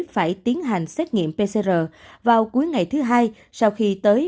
phải tiến hành xét nghiệm pcr vào cuối ngày thứ hai sau khi tới